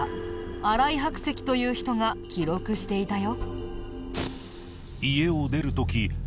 新井白石という人が記録していたよ。